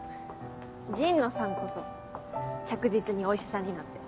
神野さんこそ着実にお医者さんになって。